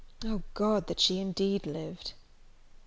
Oh, God, that she indeed lived!